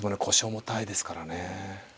重たいですからね。